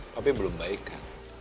papi belum baik kan